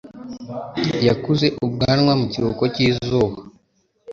yakuze ubwanwa mu kiruhuko cyizuba.